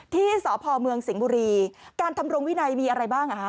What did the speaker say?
ที่สพเมืองสิงห์บุรีการทำรงวินัยมีอะไรบ้างอ่ะฮะ